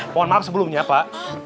mohon maaf sebelumnya pak